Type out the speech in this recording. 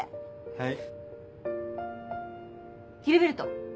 はい！